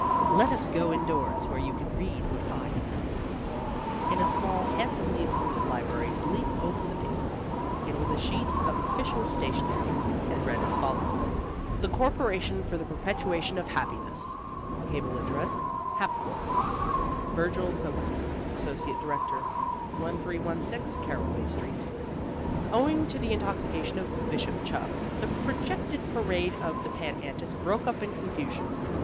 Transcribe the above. "Let us go indoors, where you can read what I have written." In a small handsomely appointed library Bleak opened the paper. It was a sheet of official stationery and read as follows: THE CORPORATION FOR THE PERPETUATION OF HAPPINESS Cable Address: Hapcorp Virgil Quimbleton, Associate Director 1316 Caraway Street Owing to the intoxication of Bishop Chuff, the projected parade of the Pan Antis broke up in confusion.